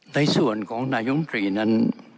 ในส่วนของนายมตรีนั้น